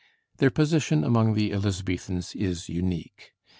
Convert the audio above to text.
Their position among the Elizabethans is unique.